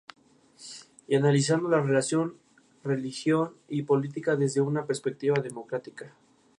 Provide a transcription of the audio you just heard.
Sin embargo, la organización de la prostitución es sancionada con penas de cárcel.